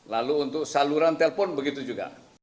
lalu untuk saluran telpon begitu juga